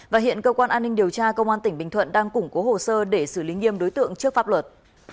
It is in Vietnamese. và hiện cơ quan an ninh điều tra công an tỉnh bình thuận đang củng cố hồ sơ để xử lý nghiêm đối tượng trước pháp luật